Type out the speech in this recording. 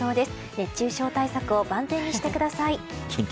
熱中症対策を万全にしてください。